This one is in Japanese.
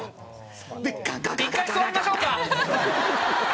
１回座りましょう。